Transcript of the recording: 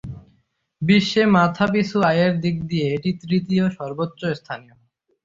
বিশ্বে মাথাপিছু আয়ের দিক দিয়ে এটি তৃতীয় সর্বোচ্চস্থানীয়।